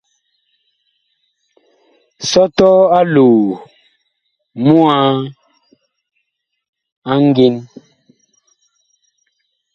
Sɔtɔɔ aloo muŋ a ngin.